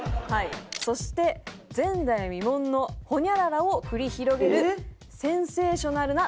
そして前代未聞のホニャララを繰り広げるセンセーショナルなドラマ。